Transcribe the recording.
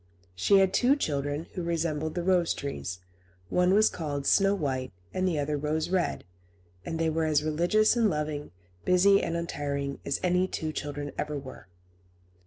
She had two children, who resembled the rose trees. One was called Snow White, and the other Rose Red; and they were as religious and loving, busy and untiring, as any two children ever were.